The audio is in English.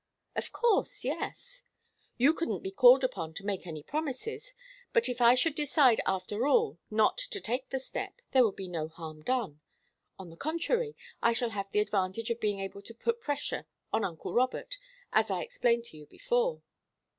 "Of course yes. You couldn't be called upon to make any promises. But if I should decide, after all, not to take the step, there would be no harm done. On the contrary, I shall have the advantage of being able to put pressure on uncle Robert, as I explained to you before."